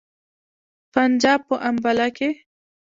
د پنجاب په امباله کې.